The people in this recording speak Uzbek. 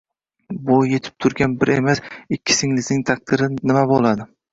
Bo‘y yetib turgan bir emas, ikki singlisining taqdiri nima bo‘ladi?